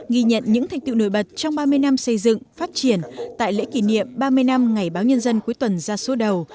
ghi nhận những thành tựu nổi bật trong ba mươi năm xây dựng phát triển tại lễ kỷ niệm ba mươi năm ngày báo nhân dân cuối tuần ra số đầu